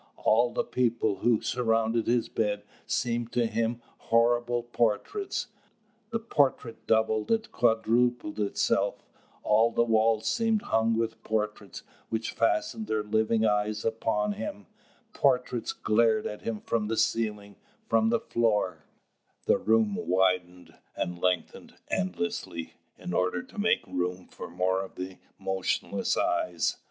All the people who surrounded his bed seemed to him horrible portraits. The portrait doubled and quadrupled itself; all the walls seemed hung with portraits, which fastened their living eyes upon him; portraits glared at him from the ceiling, from the floor; the room widened and lengthened endlessly, in order to make room for more of the motionless eyes.